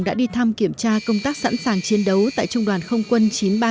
đã đi thăm kiểm tra công tác sẵn sàng chiến đấu tại trung đoàn không quân chín trăm ba mươi năm